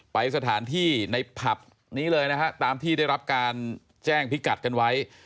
ไปสถานที่ในผับนี้เลยนะฮะตามที่ได้รับการแจ้งพิกัดกันไว้